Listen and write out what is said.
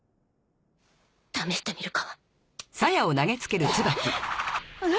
試してみるかえっ！？